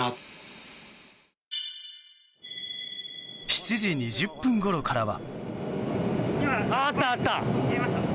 ７時２０分ごろからは。